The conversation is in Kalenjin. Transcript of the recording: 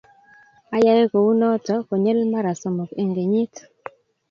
Ayae kunotok konyil mar somok eng kenyit